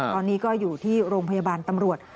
ตอนนี้ก็อยู่ที่โรงพยาบาลตำรวจ